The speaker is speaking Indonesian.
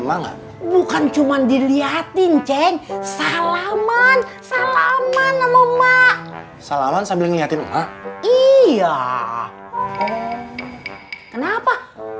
enggak bukan cuman dilihatin ceng salaman salaman sama salaman sambil ngeliatin iya kenapa